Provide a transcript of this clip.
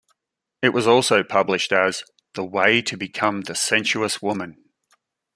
It was also published as "The Way to Become the Sensuous Woman".